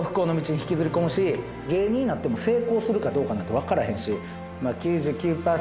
芸人になっても成功するかどうかなんて分からへんし。